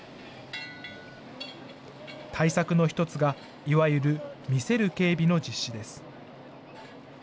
対策の１つが、いわゆる見せる警備の実施です。